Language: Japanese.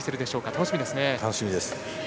楽しみです。